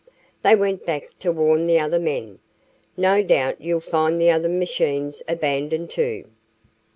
They went back to warn the other men. No doubt you'll find the other machines abandoned, too."